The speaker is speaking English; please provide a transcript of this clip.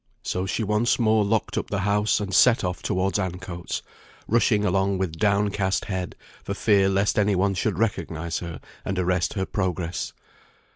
So she once more locked up the house, and set off towards Ancoats; rushing along with down cast head, for fear lest any one should recognise her and arrest her progress.